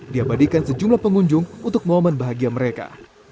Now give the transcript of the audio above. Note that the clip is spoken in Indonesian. diabadikan sejumlah pengunjung untuk momen bahagia mereka